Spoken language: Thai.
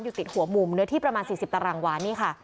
ติดหัวมุมเนื้อที่ประมาณ๔๐ตารางวานี่ค่ะ